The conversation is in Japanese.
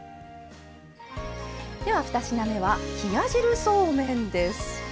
２品目は冷や汁そうめんです。